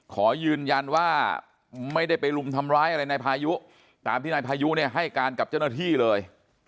ขอยืนยันว่าไม่ได้ไปลุมทำร้ายอะไรนายพายุตามที่นายพายุเนี่ยให้การกับเจ้าหน้าที่เลย